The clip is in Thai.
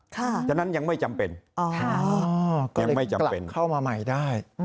ค่ะค่ะฉะนั้นยังไม่จำเป็นอ๋อก็เลยกลับเข้ามาใหม่ได้อืม